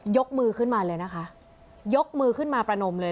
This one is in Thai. ยกมือขึ้นมาเลยนะคะยกมือขึ้นมาประนมเลย